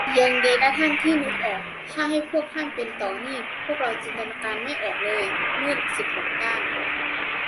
ยังดีนะท่าน ที่นึกออก ถ้าให้พวกท่านเป็นต่อนี่ พวกเราจินตนาการไม่ออกเลย มืดสิบหกด้าน